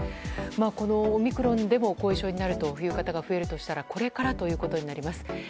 オミクロンでも後遺症になるという方が増えるとすればこれからということになります。